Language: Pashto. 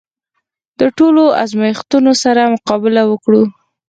د ټولو ازمېښتونو سره مقابله وکړو.